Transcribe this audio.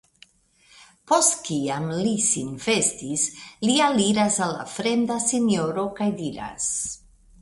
Post kiam li sin vestis, li aliras al la fremda sinjoro kaj diras.